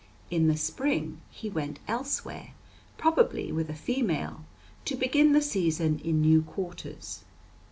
In the spring he went elsewhere, probably with a female, to begin the season in new quarters.